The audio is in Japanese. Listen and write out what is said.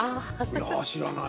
いや知らない。